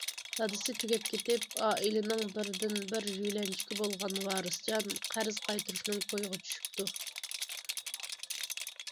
دادىسى تۈگەپ كېتىپ ئائىلىنىڭ بىردىنبىر يۆلەنچۈكى بولغان ۋارىسجان قەرز قايتۇرۇشنىڭ كويىغا چۈشۈپتۇ.